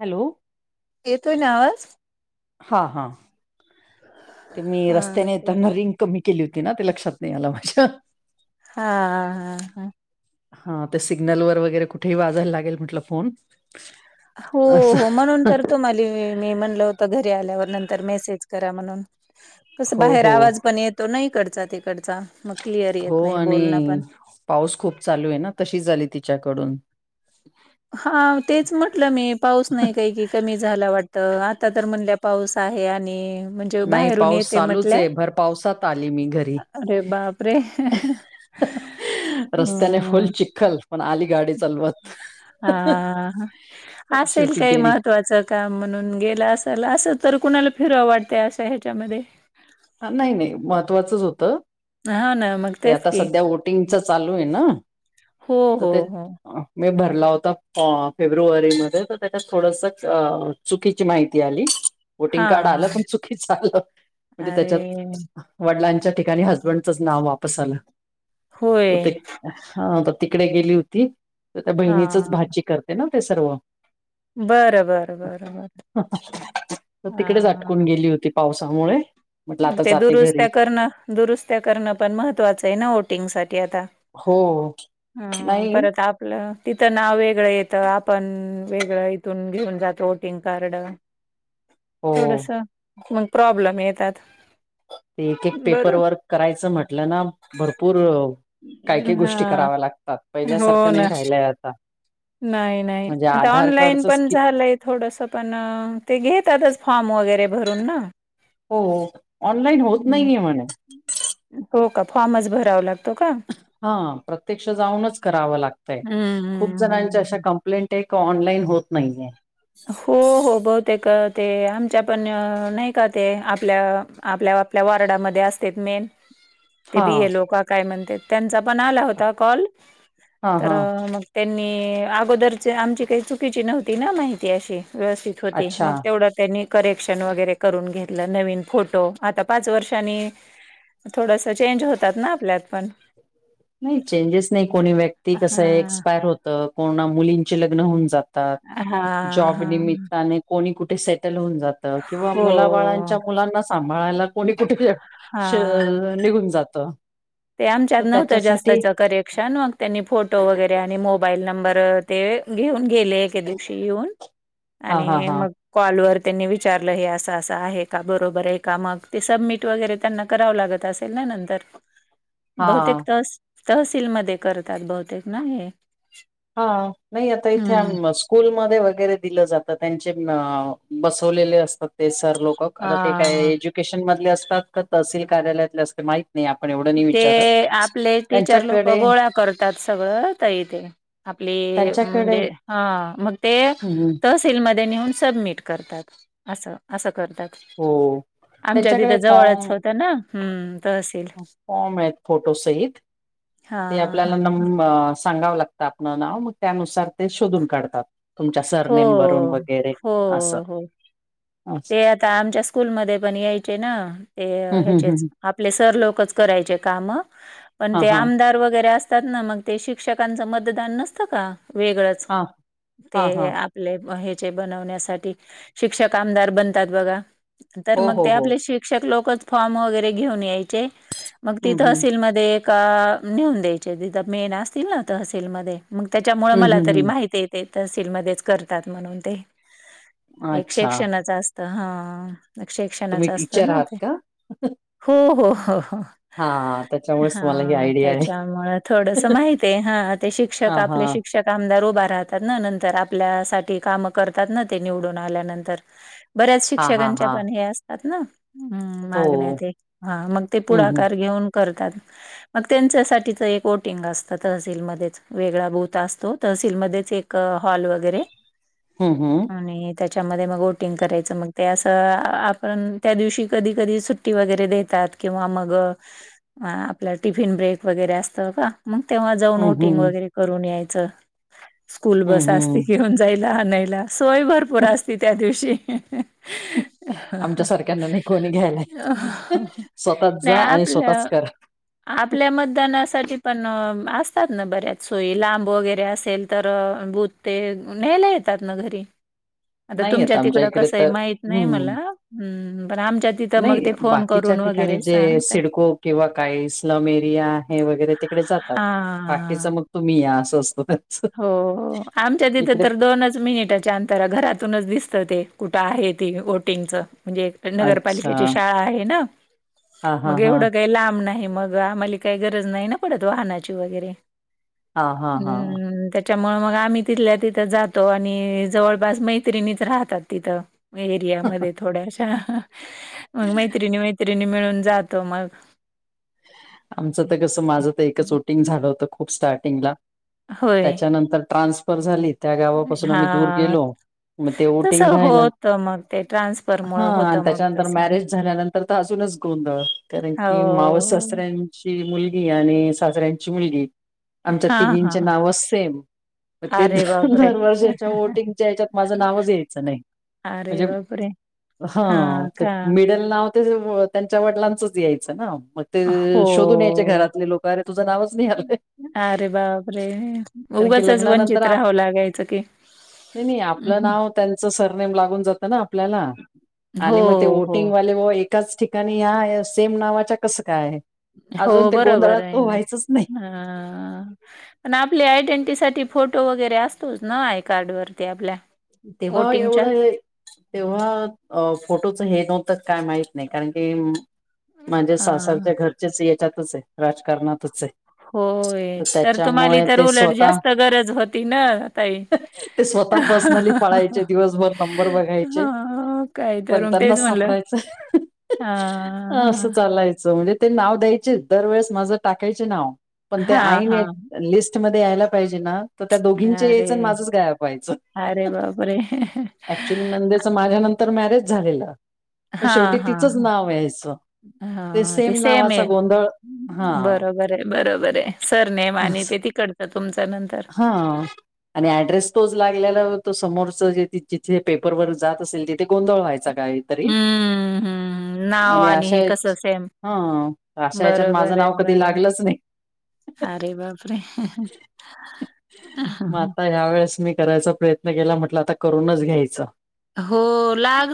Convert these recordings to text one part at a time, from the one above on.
Hello येतोय न आवाज? हां हा ते मी हा रस्त्याने ते येताना रिंग कमी केली होती ना, ते लक्षात नाही आलं माझ्या हां-हां -हा. हां ते सिग्नल वर वगैरे कुठेही वाजायला लागेल म्हटलं फोन. हो असं हो म्हणून तर तुम्हांले मी म्हणलं होतं घरी आल्यावर नंतर मेसेज करा म्हणून कस हो बाहेर हो आवाज पणये तो ना इकडचा-तिकडचा मग क्लिअर येत हो नाही बोलणं आणि पण पाऊस खूप चालू आहे ना, तशीच आली तिच्याकडून हाव तेच म्हटलं मी पाऊस नाही काय कि कमी झाला वाटतं आता तर म्हणल्या पाऊस आहे आणि म्ह नाही पाऊस चालूच आहे, भर पावसात आली मी. घरी. अ 'अरे बापरे' ह ह रस्त्याने फुल्ल चिखल पण आली गाडी चालवत. हां हां असेल शेवटी काही डेअरी महत्वाचं का म्हणून गेला असाल असं तर कुणाला फिरू वाटतं अशा ह्याच्यामध्ये नाही नाही महत्त्वाचंच होतं. हां ना, मग ते तेच आता की. सध्या वोटिंगच चालू आहे न हो, त हो, ते हो. मी भरला होता फेब्रुवारीमध्ये तर त्याच्यात थोडस चुकीची माहिती आली. वोटिंग हां, कार्ड आलं हां. पण चुकीच आलं. म्हणजे अरे त्याच्यात वडिलांच्या ठिकाणी हजबंडचच नाव वापस आलं. त होय. ते हा तिकडे गेली होती त्या बहिणीचच हां. भाजी कर ते ना सर्व बरं, बरं, बरं, बरं. तिकडेच आटकून हां. गेली होती. पावसामुळे. म्हटलं मग आता ते जाते घरी दुरुस्त्या करणं दुरुस्त्या करणं पण महत्त्वाचं आहे न वोटिंग साठी आता. हो हम्म नाही परत आप तिथं नाव वेगळं येतं आपण वेगळं इथून घेऊन जातो वोटिंग कार्ड. [inaudible] थोडस मग प्रॉब्लेम येतात. ते एक एक पेपर बरं. वर्क करायचं म्हटलं ना भरपूर काही काही गोष्टी हां. कराव्या लागतात हो पहिल्यासारखं नाही ना. राहिलंय आता. नाही नाही म्हणजे आता आधार ऑनलाईन कार्डचच पण कि झालंय थोडंस पण ते घेतातच फॉर्म वगैरे भरून न. हो ऑनलाईन होत नाहीये म्हणे. हो का फॉर्मच भरावं लागत. हा प्रत्यक्ष जाऊनच करावं लागतंय हम्म खूप हम्म जणांच्या अशा हम्म. क लेंट का ऑनलाईन होत नाहीये. हो हो बहुतेक ते आमच्या पण नाही का ते आपल्या आपल्या बा आपल्या वॉारडामध्ये असते मेन [inaudible] ते बियलो काका आहे म्हणते त त्यांचा पण आला होता कॉल हा तर हा मग. त्यांनी अगोदरचे आमची काही चुकीची नव्हती ना माहिती अशी व्यवस्थित शेवटी अच्छा मग तेवढ्यात त्यांनी करेक्शन वगैरे करून घेतलं नवीन फोटो आता पाच वर्षांनी थोडस चेंज होतात ना आपल्यात पण. नाही चेंजेस नाही कोणी व्यक्ती कस हां, एक्सपायर होतं कोणा मुलींचे लग्न होऊन जात आता हां, जॉब हां. निमित्ताने कोणी कुठे सेटल होऊन जात. त किंवा मुलाबाळांच्या हो. मुलांना सांभाळायला कोणी कुठे श हां. निघून जात. ते आमच्यात तर नव्हतं त्याच्यासाठी जास्तच करेक्शन न. त्यांनी फोटो वगैरे आणि मोबाईल नंबर ते घेऊन गेले एके दिवशी येऊन. हा हा आणि हा मग कॉल वर त्यांनी विचारलं हे असं असं कॉल वर त्यांनी विचारलं आहे का बरोबर आहे का मग ते सबमिट वगैरे त्यांना करावं लागत असं. ते ना नंतर बहुतेक हा तहस तहसीलमध्ये करतात बहुतेक ना हे. हा नाही आता इथे हम्म आम्ही. [unintelligible] स्कूलमध्ये वगैरे दिलं जातं त्यांचे बसवलेले असतात. ते सरलोक आता ते काय हा एज्युकेशन मधले असतात का तहसील कार्यालयातले असतात माहीत. ते आपले टीचर लोक त्यांच्याकडे गोळा कर सगळ [unintelligible] आप त्यांच्याकडे म्हणजे, हा मंग ते हम्म, तस सील मध्ये नेऊन सबमिट करतात. अस अस करतात. हो आमच्या तिथं त्यांच्याकडे जवळच होत ना, हम्म. तहसील. फॉर्मेत फोटो सहित. हा ते आपल्याला हा नम सांगावं लागतं. त्यातन नाव मग त्यानुसार ते शोधून काढतात. तुमच्या हो. सरनेम वरून वगैरे हो असं हो. हम्म ते आता आमच्या स्कूलमध्ये पण यायचे ना. ते हम्म ह्याचेच. हम्म आपले सर लोकच करायचे काम. पण हा ते हा आमदार वगैरे असतात ना मग, ते शिक्षकांचं मतदान नसतं का? वेगळंच? हा. हा हा ते आपले ह्याचे बनवण्यासाठी. शिक्षक आमदार बनतात बघा? तर हो मग हो ते हो आपले शिक्षक लोकच, फॉर्म वगैरे घेऊन यायचे. मग ती हम्म हम्म तहसीलमध्ये का नेऊन द्यायची. तिथ मेन असतील ना तहसीलमध्ये. मग त्याच्यामुळे हम्म मला हम्म तरी हम्म माहितीय ते. तहसीलमध्येच करतात म्हणून ते. एक अच्छा शे्षणाच असत हा. तुम्ही शिक्षणाच असत टीचर ना आहात ते? का हो हो. हो हो. हा त्याच्यामुळेच हा तुम्हाला ही आयडिया आहे त्याच्यामुळे थोडस माहिते. हा. ते शिक्षक हा हा आपले शिक्षक कामगार उभा राहतात ना. नंतर आपल्या साठी कामं करतात ना ते निवडून आल्यानंतर. बऱ्याच हा हा शिक्षकांच्या हा पण हे असतात ना. हम्म हो मागण्या ते? हा. मग ते हम्म पुढाकार घेऊन करतात. मग त्यांच्यासाठीच एक बोटिंग असत तहसीलमध्येच. वेगळा बूत असतो तहसीलमध्येच एक. हॉल वगैरे. हम्म हम्म आणि त्याच्यामध्ये मग बोटिंग करायचं. मग ते असं आपण त्या दिवशी कधी कधी सुट्टी वगैरे देतात. किंवा मग आपल्या टिफिन ब्रेक वगैरे असतं का? मग तेव्हा जाऊन हम्म बोटिंग हम्म वगैरे करून यायचं. स्कूल बस हम्म असती हम्म घेऊन जायला आनायला. सोय भरपूर असती त्या दिवशी. [inaudible] आमच्या सारख्यांना नाही कोणी घ्यायलाय येत. स्वतःच नाही जा आणि स्वतःच आपलं करा. आपल्या मतदानासाठी पण असतात ना बऱ्याच सोयी. लांब वगैरे असेल? तर बूत ते न्यायला येतात ना घरी. आता नाही तुमच्या येत आमच्या तिकडं इकडे कसंय तर माहीत नाही मला. हम्म हम्म. पण आमच्या तिथं मग नाही ते फोन बाकीच्या करून ठिकाणी वगैरे जे सांगतात. सिडको किंवा काही स्लम एरिया आहे वगैरे तिकडे जातात. बाकीच हां. मग तुम्ही या असं असत त्यान हो हो, आमच्या तिथे तर दोनच मिनिटच्या आन तर घरातूनच दिसतं ते. कुठं आहे ते बोटिंगचं. म्हणजे अच्छा नगरपालिकेची शाळा आहे ना? हा हा मग हा एवढं काही लांब नाही मग. आम्हाला काही गरज नाही ना पडत. वाहनाची वगैरे. हा हा हा. हम्म, त्याच्यामुळे मग आम्ही तिथल्या तिथं जातो. आणि जवळपास मैत्रिणीच राहतात तिथं. एरियामध्ये थोड्याशा. मग मैत्रिणी मैत्रिणी मिळून जातो मग. आमचं त कसं? माझं तर एकच बोटिंग झालं होतं. खूप स्टार्टिंगला. होय. त्याच्यानंतर ट्रान्सफर झाली. त्या गावापासून आम्ही दूर हां, गेलो. मग ते ओटिंग तसं राहिलंच. होतं मग ते हा ट्रान्सफरमुळं आणि होतं मग त्याच्यानंतर तसं. मॅरेज झाल्यानंतर तर तर अजूनच गोंधळ. कारण की मावस हो. सासऱ्यान ची मुलगी आणि सासऱ्यांची मुलगी. आमच्या हां, हां, तिघींचे हां. नावच सेम. मग ते द अरे बापरे! दर वर्षाच्या वोटिंगच्या याच्यात माझं नावच यायचं नाही. अरे म्हणजे बापरे हा हां ते का? मिडल नाव ते त्यांच्या वडिलांचच यायचं ना मग ते शोधून यायचे हो. घरातले लोकरे तुझं नावच नाही आलंय कारण की उगंचच लग्नानंतर वंचित आप राहाहवं लागायचं की नाही नाही अं, आपलं हं. नाव त्यांचं सरनेम लागून जातं ना आपल्याला हो, आणि मग ते हो. वोटिंगवाले व एकाच ठिकाणी ह्या सेम नावाच्या कसं काय आहे? अजून ते गोंधळात तर व्हायचंच नाही. हा पण आपली आयडेंटिटी साठी फोटो वगैरे असतोच ना आय कार्ड वरती आपल्या तेव्हा वोटिंगच्या? एवढं तेव्हा फोटोचं हे नव्हतं काय माहत नाही कारण की माणजे हां. सासरच्या घरचेच याच्यातच आहे राजकारणातच आहे. होय तर तुम्हाला त्याच्यामुळे तर ते उलट स्वतः जास्त गरज होती ना आ ताई. ते स्वतः पर्सनली पळायचे हां, दिवसभर नंबर बघायचे काय तर पण मग त्यांना तेच म्हणलं. सापडायचं हां, असं हां. चालायचं म्हणजे ते नाव द्यायचे दरवेेळेस माझं टाकायचे नाव पण ते हां, आईन हां. लिस्टमध्येध्ये यायला पाहिजे ना तर त्या दोघींचे यायचं आणि अरे! माझंच गाय पाहायचं अरे बापरे ऍक्च्युली नंदेचं माझ्या नंतर मॅरेज झालेलं पण शेवटी तिचंच नाव यायचं हा ते सेम नावाचा आहे गोंधळ हा बरोबर आहे बरोबर आहे सरनेम आणि असं. ते तिकड तर तुमच्या नंतर हा आणि ऍड्रेस तोच लागल्याला त समोरच जिथे पेपरवर जातेल तिथे गोंधळ व्हायचा काहीतरी हं, हं. नाव आणि हे आशया कसं सेम. हा आशयाच्यात माझं बरोबर नाव आहे, कधी बरं. लागलंच नाही अरे बापरे मग अहं. आता ह्या वेळेस मी करायचा प्रयत्न केला म्हटलं आता करूनच घ्यायचं हो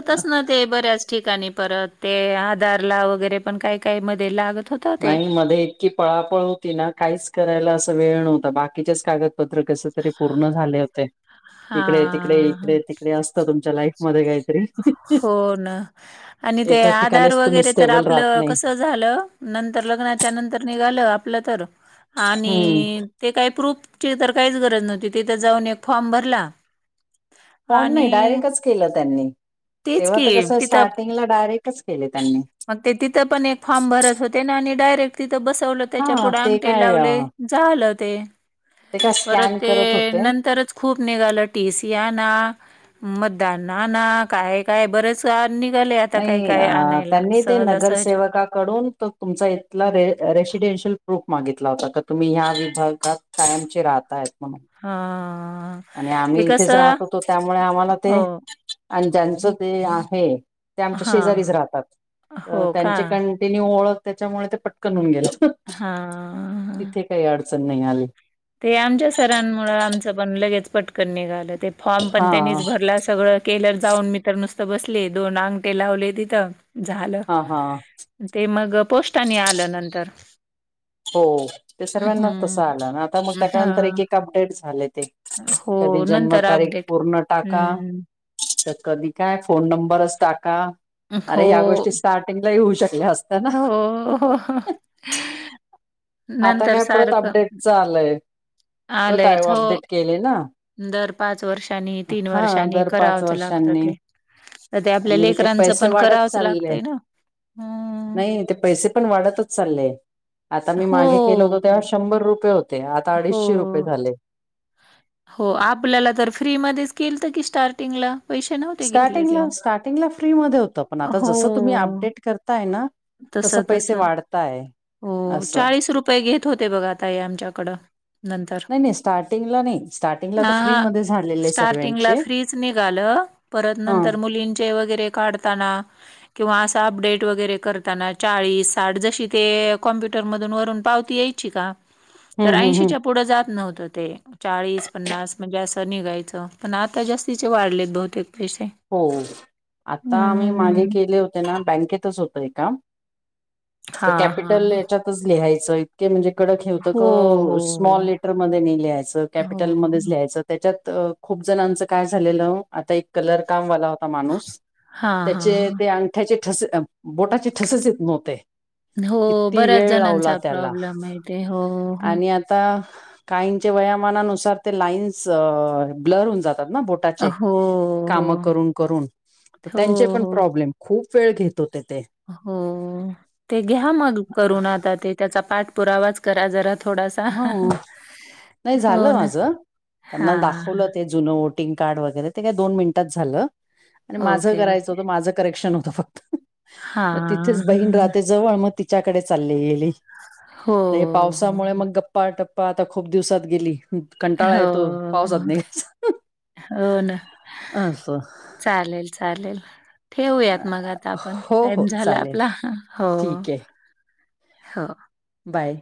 अ, ना ते बऱ्याच ठिकाणी परत ते आधार ला वगैरे पण काय काही मध्ये लागत होत नाही मध्ये इतकी पळापळ होती ना काहीच करायला असं वेळ नव्हता बाकीच्याच कागद पूर्ण झा होते इकडे तिकडे हां, इकडे हां. तिकडे तुमच्या लाईफ मध्ये का हो ना आणि ते एका आधार ठिकाणीच तुम्ही वगैरे तर स्टेबल राहत आपलं नाही कस झालं नंतर लग्नाच्या नंतर निघालं आपलं तर आणि हम्म ते काही प्रूफची तर काहीच गरज नव्हती तिथे जाऊन एक फॉर्म भरला फॉर्म नाही आणि डायरेक्टच केलं त्यांनी तेच तेव्हा की तर कसं तिथं स्टार्टिंगला डायरेक्टच केले त्यांनी. मग ते तिथं पण एक फॉर्म भरत होते ना आणि डायरेक्ट तिथं बसवलं त्याच्या हा पुुढे ते अंगटे काय अ, लावले झालं ते. ते काय परत स्कॅन ते करत होते नंतरच खूप निघालं टी सीया ना मतदानना ना काय काय बरेच निघाले आता नाही काही अ, काय आणायला त्यांनी ते सहजासहज नगरसेेवा पुस्तकाकडून त तुमचा इथला र रेसिडेन्शियल प्रूफ मागितला होता तर तुम्ही ह्या विभागात कायमचे राहताय मग मग हा आणि ते आम्ही इथेच कसं राहत होतो त्यामुळे आम्हाला ते, हो. आणि ज्यांच ते आहे. ते आमच्या शेजारीच हां. राहतात, हो का? त्यांचे कंटिन्यू ओळख त्याच्यामुळे ते पटकन होऊन गेलं. हा तिथे काही अडचण नाही आली. ते आमच्या सरांमुळे आमचं पण लगेच पटकन निघालं, ते फॉर्म पण हा त्यांनीच भरला सगळं केलर जाऊन मी तर नुसत बसले, दोन अंगटे लावले तिथं, झालं. हा हा ते मग पोस्टानी आलं नंतर हो ते सर्वांना तसं हं. आलं ना, आता मग त्याच्यानंतर एक हां. एक अपडेट झाले ते हो कधी नंतर जन्मतारीख अपडेट. पूर्ण टाका हं. कधी काय फोन नंबरच टाका, हो. अरे ह्या गोष्टी स्टार्टिंगला येऊ शकल्या अस हो-हो-हो. आता काय परत सारखं अपडेटच आलंय, परत आलंयच. हो. अपडेट केले ना दर पाच वर्षांनी, तीन हा वर्षांनी दर पाच करावचं लागत वर्षांनी ते. तर ते आपल्या आणि ते लेकरांच पैसे पण वाढत करावंच चालले लागतंय ना. नाही, ते पैसे पण वाढतच चालले आता मी हो मागे केल होतो हो तेव्हा शंभर रुपये होते, आता अडीचशे रुपये हो. झाले. हो, आपल्याला तर फ्रीमध्येच केलत की स्टार्टिंगला. पैसे नव्हते घेतले तेव्हा. स्टार्टिंगला-स्टार्टिंगला फ्री मध्ये होतं, पण आता हो जसं तुम्ही अपडेट करताय ना तसं पैसे वाढताय. हो, असं चाळीस रुपये घेत होते बघ आता हे आमच्याकडं नंतर नाही स्टार्टंग ला नाही म्हणलं आता हा फ्री हा मध्ये झा स्टार्टिंगला फ्रीच निघालं, परत हा नंतर मुलींचे वगैरे काढताना किंवा असं अपडेट वगैरे करताना, चाळीस, साठ जशी ते कॉम्प्युटर मधून वरून पा ती यायची का, तर हम्म हम्म हम्म ऐशीच्या पुढे जात नव्हत ते चाळीस, पन्नास म्हणजे असं निघायचं, पण आता जास्तीचे वाढलेत बहुतेक पैसे हो, आता आम्ही मागे हम्म केले होते ना, बँकेतच होतय एका तर हां हां कॅपिटल हां याच्यातच लिहायचं, इतके म्हणजे कडक तिथं हो क स्मॉल हो लेटरमध्ये नाही लिहायचं, हो हो कॅपिटलमध्येच लिहायचं. त्याच्यात खूप जणांच काय झालेलं, आता एक कलर काम वाला होता. माणूस, हां हां त्याचे हां ते अंगठ्याचे ठसे, बोटाचे ठसेच येत नव्हते. हो किती बऱ्याच वेळ लावला जणांचा त्याला, प्रॉब्लेम आहे ते हो हो आणि आता आता, काहींच्या व्यायामानानुसार ते लाईन्स ब्लर होऊन जातात ना अ बोटाचे हो काम करून-करून, तर हो त्यांचे पण हो प्रॉब्लेम खूप वेळ घेत होते ते हो, ते घ्या मग करून आता ते त्याचा पाठपुरावाच करा जरा थोडासा, ह नाही हो झालं ना, माझं हा त्यांना दाखवलं ते जुनं वोटिंग कार्ड वगैरे, ते काय दोन मिनिटात झालं आणि माझं ओके, करायचं ओके. होतं, माझं करेक्शन होतं फक्त मग तिथेच हां, बहीण हां. राहते जवळ, मग तिच्याकडे चालली गेली. हो, ते हे हो. पावसामुळे मग गप्पा-टप्पा, आता खूप दिवसात गेली. कंटाळा हो, येतो पावसात निघ्यायचा असं चालेल-चालेल ठेवयात मग आता अ, आपण, हो टाइम हो झाला चालेल आपला, ठीक आहे हो-हो. बाय.